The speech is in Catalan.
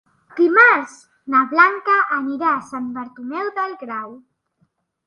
Dimarts na Blanca anirà a Sant Bartomeu del Grau.